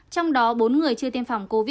trong đó bốn người chưa tiêm phòng covid một mươi